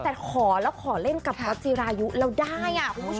แต่ขอแล้วขอเล่นกับตัวจีรายุเราได้อะคุณผู้ชม